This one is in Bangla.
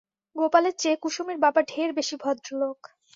গোপালের চেয়ে কুসুমের বাবা ঢের বেশি ভদ্রলোক।